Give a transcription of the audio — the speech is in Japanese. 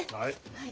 はい。